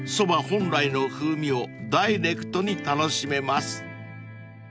本来の風味をダイレクトに楽しめます］